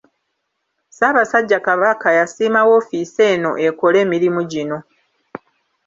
Ssaabasajja Kabaka yasiima woofiisi eno ekole emirimu gino.